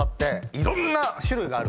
いろんな種類があるから